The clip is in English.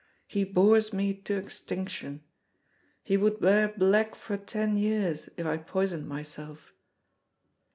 He bores me to extinction. He would wear black for ten years if I poisoned myself."